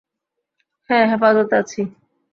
হ্যাঁঁ হেফাজতে আছি।